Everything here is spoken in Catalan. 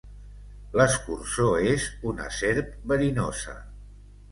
L'escurçó és una serp verinosa.